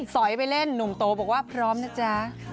สอยไปเล่นหนุ่มโตบอกว่าพร้อมนะจ๊ะ